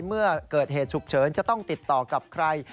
เมื่อเกิดเหตุฉุกเฉินจะต้องติดต่อกับใคร